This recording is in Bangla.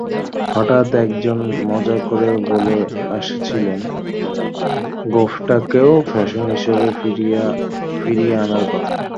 হঠাত্ই একজন মজা করে বলে বসেছিলেন, গোঁফটাকেও ফ্যাশন হিসেবে ফিরিয়ে আনার কথা।